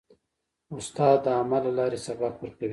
استاد د عمل له لارې سبق ورکوي.